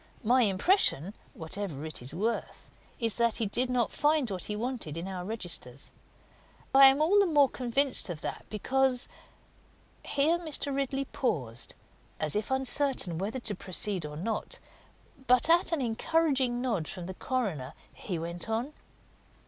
My impression whatever it is worth is that he did not find what he wanted in our registers. I am all the more convinced of that because " Here Mr. Ridley paused, as if uncertain whether to proceed or not; but at an encouraging nod from the coroner he went on.